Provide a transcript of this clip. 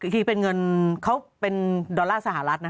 คือเป็นเงินดอลลาร์สหรัฐนะ